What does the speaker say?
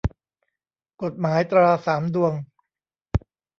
กฎหมายตราสามดวง